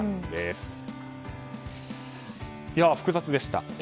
では、複雑でした。